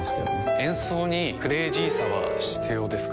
演奏にクレイジーさは必要ですか？